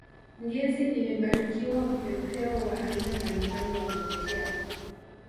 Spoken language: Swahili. ngezi imebarikiwa vipepeo wa aina mbalimbali wa kuvutia